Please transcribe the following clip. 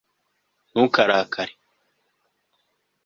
ntukarakare